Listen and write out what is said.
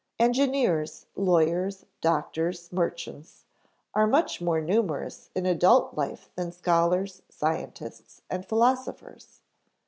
Engineers, lawyers, doctors, merchants, are much more numerous in adult life than scholars, scientists, and philosophers.